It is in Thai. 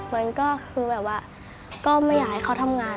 มันก็คือแบบว่าก็ไม่อยากให้เขาทำงาน